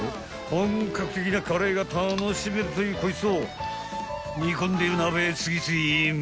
本格的なカレーが楽しめるというこいつを煮込んでいる鍋へ次々イン］